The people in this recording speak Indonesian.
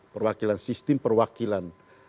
perwakilan sistem perwakilan